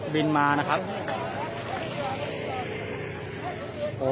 มันก็ไม่ต่างจากที่นี่นะครับ